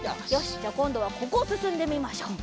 じゃあこんどはここをすすんでみましょう。